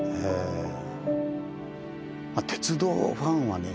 鉄道ファンはね